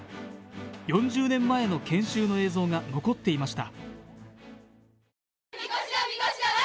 ４０年前の研修の映像が残っていました。